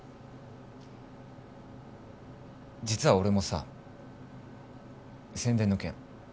実は俺もさ宣伝の件凛